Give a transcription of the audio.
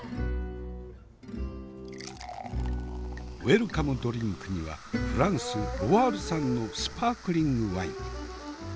ウェルカムドリンクにはフランスロワール産のスパークリングワイン。